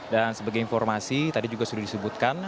dan sebagai informasi tadi juga sudah disebutkan